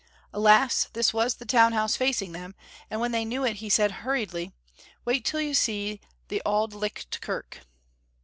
Alas, this was the town house facing them, and when they knew it, he said hurriedly, "Wait till you see the Auld Licht Kirk."